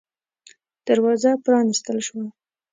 دروازه پرانستل شوه.